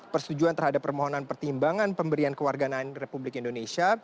persetujuan terhadap permohonan pertimbangan pemberian kewarganaan republik indonesia